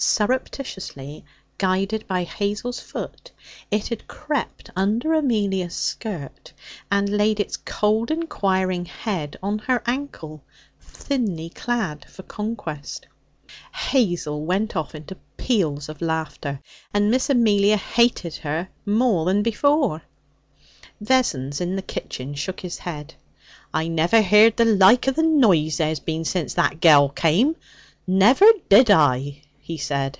Surreptitiously guided by Hazel's foot, it had crept under Amelia's skirt and laid its cold inquiring head on her ankle, thinly clad for conquest. Hazel went off into peals of laughter, and Miss Amelia hated her more than before. Vessons, in the kitchen, shook his head. 'I never heerd the like of the noise there's been since that gel come. Never did I!' he said.